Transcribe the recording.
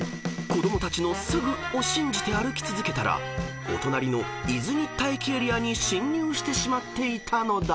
子供たちの「すぐ」を信じて歩き続けたらお隣の伊豆仁田駅エリアに進入してしまっていたのだ］